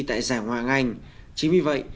tại giải hoàng anh chính vì vậy